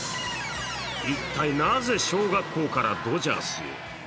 一体なぜ小学校からドジャースへ？